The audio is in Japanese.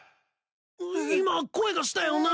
今声がしたよな。